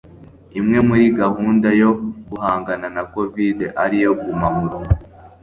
imwe muri gahunda yo guhangana na covid- ariyo guma murugo